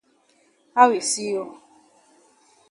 How e see you?